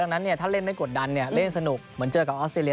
ดังนั้นถ้าเล่นไม่กดดันเล่นสนุกเหมือนเจอกับออสเตรเลี